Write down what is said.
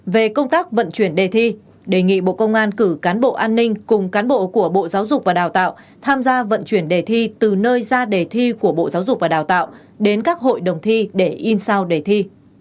về công tác vận chuyển đề thi đề nghị bộ công an cử cán bộ an ninh cùng cán bộ của bộ giáo dục và đào tạo tham gia vận chuyển đề thi từ nơi ra đề thi của bộ giáo dục và đào tạo đến các hội đồng thi để in sao để thi